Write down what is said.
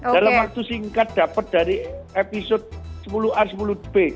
dalam waktu singkat dapat dari episode sepuluh a sepuluh b